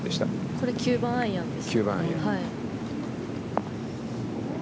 これ、９番アイアンです。